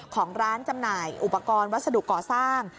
ของร้านจำหน่ายอุปกรณ์วัสดุก่อสร้าง